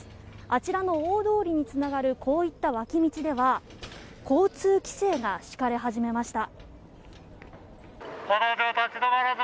あちらの大通りにつながるこういった脇道では交通規制が敷かれ始めました。